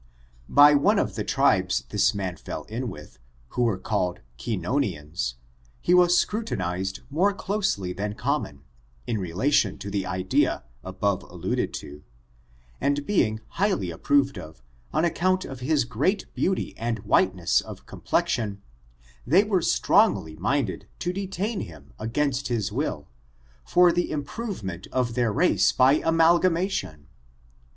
By one of the tribes this man fell in with, who were called Kinonians, he was scrutinized more closely than common, in relation to the idea above alluded to, and being highly approved of, on account ol hfis great beauty and whiteness of complexion, they were strongly minded to detain him against his will, fot the imiH*ovement of their race by amalgam ation.